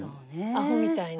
アホみたいに。